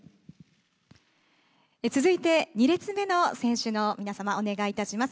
続いて、２列目の選手の皆様、お願いいたします。